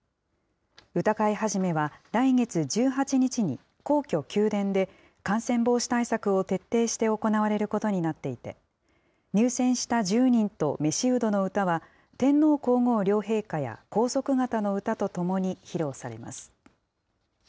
歌会始は来月１８日に皇居・宮殿で、感染防止対策を徹底して行われることになっていて、入選した１０人と召人の歌は、天皇皇后両陛下や皇族方の歌とともに、披露されます。